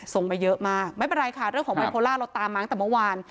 ส่งมาเยอะมากไม่เป็นไรค่ะเรื่องของไบโพล่าเราตามมาตั้งแต่เมื่อวาน